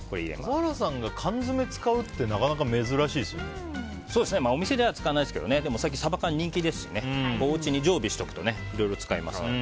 笠原さんが缶詰使うってなかなかお店では使わないですけどサバ缶最近人気ですしおうちに常備しておくといろいろ使えます。